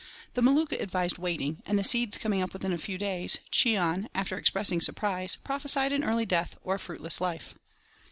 The Maluka advised "waiting," and the seeds coming up within a few days, Cheon, after expressing surprise, prophesied an early death or a fruitless life.